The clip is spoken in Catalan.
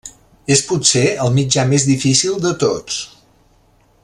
És potser el mitjà més difícil de tots.